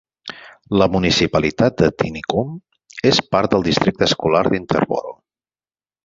La municipalitat de Tinicum és part del districte escolar d'Interboro.